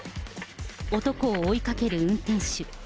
男を追いかける運転手。